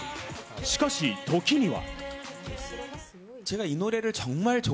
しかし、時には。